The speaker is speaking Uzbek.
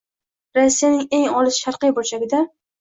Rossiyaning eng olis sharqiy burchagida